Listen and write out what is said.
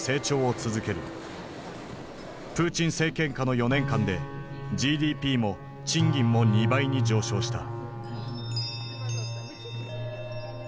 プーチン政権下の４年間でＧＤＰも賃金も２倍に上昇した。